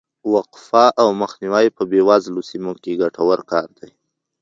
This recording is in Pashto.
وقفه او مخنیوی په بې وزله سیمو کې ګټور کار دی.